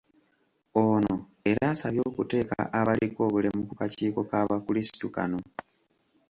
Ono era yasabye okuteeka abaliko obulemu ku kakiiko k'abakrisitu kano.